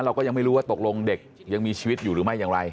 เราก็ยังไม่รู้ว่าตกลงเด็กยังมีชีวิตอยู่หรือไม่อย่างไร